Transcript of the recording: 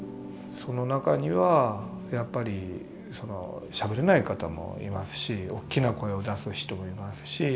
その中にはやっぱりそのしゃべれない方もいますしおっきな声を出す人もいますし。